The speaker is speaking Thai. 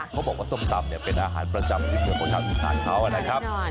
เขาบอกว่าส้มตำเนี่ยเป็นอาหารประจำที่เผื่อคนชาติสารเท้าอันนั้นครับ